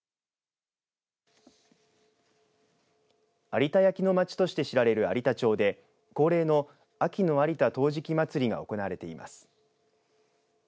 有田焼の街として知られる有田町で恒例の秋の有田陶磁器まつりが行われています。